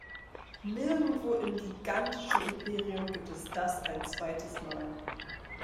Nirgendwo im gigantischen Imperium gibt es das ein zweites Mal.